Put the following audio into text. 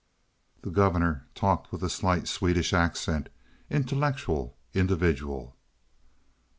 The governor talked with a slight Swedish accent, intellectual, individual.